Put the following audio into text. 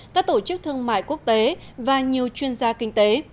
các tổ chức thương mại quốc tế và nhiều chuyên gia kinh tế